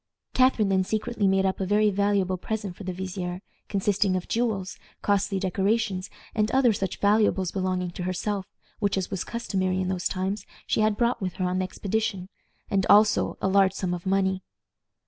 Catharine then secretly made up a very valuable present for the vizier, consisting of jewels, costly decorations, and other such valuables belonging to herself, which, as was customary in those times, she had brought with her on the expedition, and also a large sum of money.